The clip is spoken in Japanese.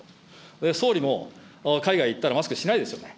総理も海外行ったらマスクしないですよね。